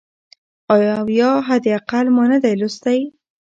او یا حد اقل ما نه دی لوستی .